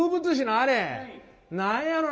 何やろな？